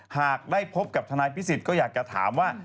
หากได้พบกับทนายพิสิทธิ์ก็อยากจะถามว่า